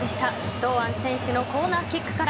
堂安選手のコーナーキックから。